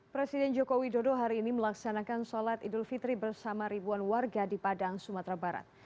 presiden joko widodo hari ini melaksanakan sholat idul fitri bersama ribuan warga di padang sumatera barat